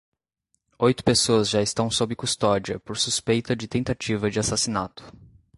Oito pessoas já estão sob custódia por suspeita de tentativa de assassinato.